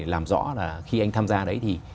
làm rõ là khi anh tham gia đấy thì